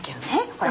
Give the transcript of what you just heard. ほら。